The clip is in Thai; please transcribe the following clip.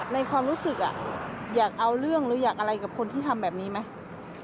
ในความรู้สึกอยากเอาเรื่องหรืออยากอะไรกับคนที่ทำแบบนี้ไหม